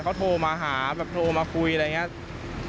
เขาโทรมาหาแบบโทรมาคุยอะไรอย่างนี้